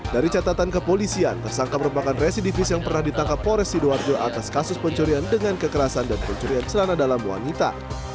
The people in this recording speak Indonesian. dari catatan kepolisian tersangka merupakan residivis yang pernah ditangkap pores sidoarjo atas kasus pencurian dengan kekerasan dan pencurian celana dalam wanita